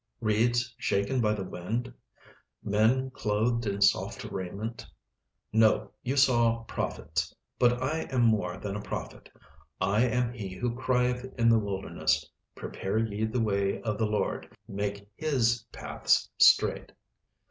Reeds shaken by the wind? Men clothed in soft raiment? No, you saw prophets; but I am more than a prophet; I am he who crieth in the wilderness: prepare ye the way of the Lord, make His paths straight.